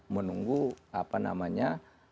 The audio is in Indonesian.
menunggu apa namanya